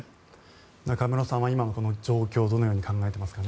中室さんは今のこの状況をどう感じていますか。